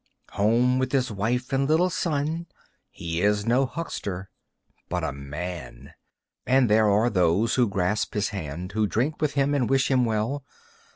Home, with his wife and little son, He is no huckster, but a man! And there are those who grasp his hand, Who drink with him and wish him well.